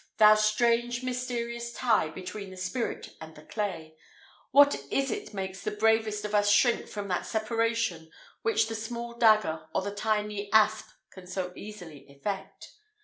thou strange mysterious tie between the spirit and the clay; what is it makes the bravest of us shrink from that separation which the small dagger or the tiny asp can so easily effect.